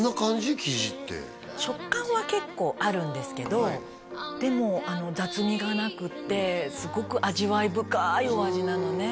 キジって食感は結構あるんですけどでも雑味がなくってすごく味わい深いお味なのね